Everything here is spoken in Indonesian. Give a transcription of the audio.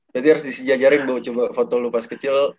jadi harus disijajarin buat coba foto lu pas kecil